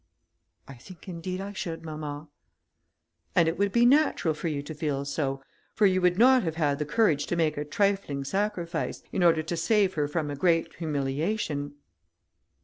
"I think, indeed, I should, mamma." "And it would be natural for you to feel so, for you would not have had the courage to make a trifling sacrifice, in order to save her from a great humiliation."